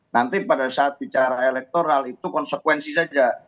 nanti pada saat bicara elektoral itu konsekuensi saja